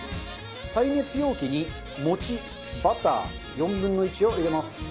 耐熱容器に餅バター４分の１を入れます。